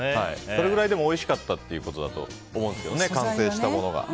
それくらいおいしかったということだと思うんですけど完成したものが。